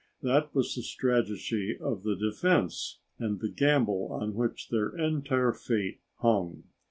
That was the strategy of the defense, and the gamble on which their entire fate hung.